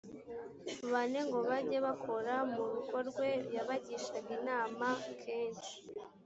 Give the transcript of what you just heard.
bane ngo bajye bakora mu rugo rwe yabagishaga inama kenshi